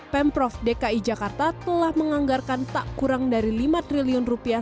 pemprov dki jakarta telah menganggarkan tak kurang dari lima triliun rupiah